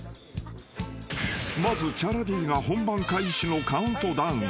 ［まずチャラＤが本番開始のカウントダウン］